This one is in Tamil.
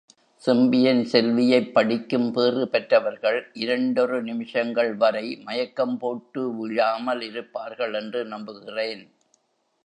செம்பியன் செல்வி யைப் படிக்கும் பேறு பெற்றவர்கள் இரண்டொரு நிமிஷங்கள்வரை மயக்கம் போட்டு விழாமல் இருப்பார்களென்று நம்புகிறேன்.